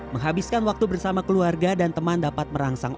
menghabiskan waktu bersama keluarga dan teman dapat merangsang